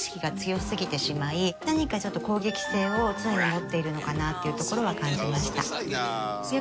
何かちょっと攻撃性を常に持っているのかなっていうところは感じました。